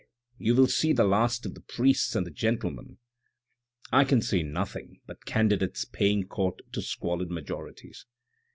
you will see the last of the priests and the gentlemen. I can see nothing but candidates paying court to squalid majorities.